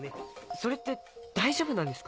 それって大丈夫なんですか？